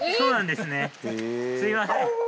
すみません